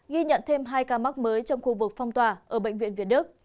ghi nhận thêm hai ca mắc mới trong khu vực phong tỏa ở bệnh viện việt đức